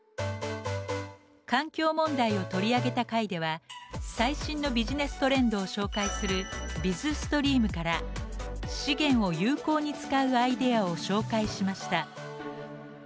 環境問題を取り上げた回では最新のビジネストレンドを紹介する「ＢＩＺＳＴＲＥＡＭ」から資源を有効に使うアイデアを紹介しました。